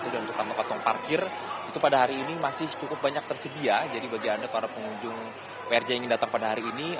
dan untuk kamu katung parkir itu pada hari ini masih cukup banyak tersedia jadi bagi anda para pengunjung prj yang datang pada hari ini